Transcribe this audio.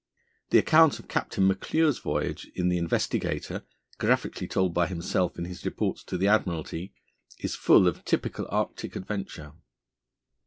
The account of Captain McClure's voyage in the Investigator, graphically told by himself in his reports to the Admiralty, is full of typical Arctic adventure.